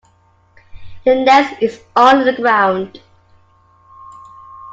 The nest is on the ground.